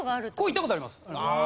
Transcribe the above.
行った事あります。